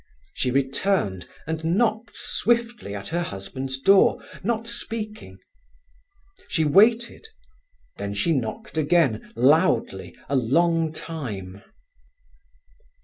She returned and knocked swiftly at her husband's door, not speaking. She waited, then she knocked again, loudly, a long time.